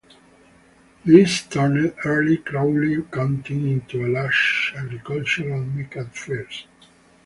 This turned early Crowley County into a lush agricultural mecca at first.